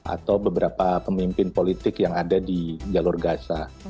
atau beberapa pemimpin politik yang ada di jalur gaza